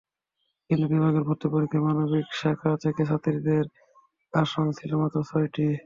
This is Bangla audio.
কিন্তু বিভাগের ভর্তি পরীক্ষায় মানবিক শাখা থেকে ছাত্রীদের আসন ছিল মাত্র ছয়টি।